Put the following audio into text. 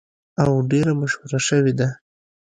او ډیره مشهوره شوې ده.